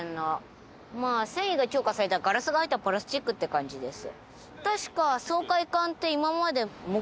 まあ繊維が強化されたガラスが入ったプラスチックって感じです。